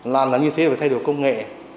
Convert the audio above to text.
làm như thế phải thay đổi công nghệ